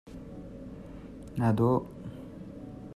Palik khawl hna.